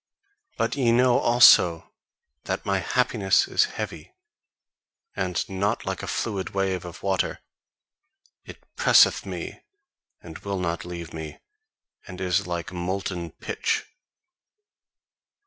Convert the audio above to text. But ye know also that my happiness is heavy, and not like a fluid wave of water: it presseth me and will not leave me, and is like molten pitch."